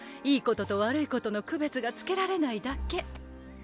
いいことと悪いことの区別がつけられないだけ。